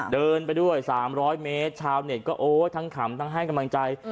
เดินไปด้วย๓๐๐เมตรชาวเน็ตก็โอ๊ยทั้งขำทั้งให้กำลังใจ